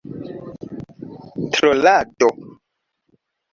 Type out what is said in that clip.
trolado